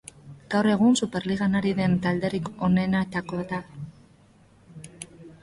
Gaur egun Superligan ari den talderik onenetakoa da.